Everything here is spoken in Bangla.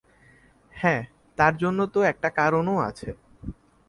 হ্যা, তার জন্য তো একটা কারণ ও আছে।